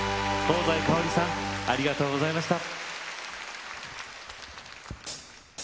香西かおりさんありがとうございました。